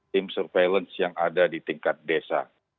tim surveillance yang ada di tingkat desa